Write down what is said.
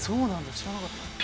知らなかった」